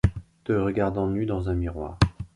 te regardant nu dans un miroir.